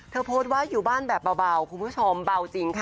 โพสต์ว่าอยู่บ้านแบบเบาคุณผู้ชมเบาจริงค่ะ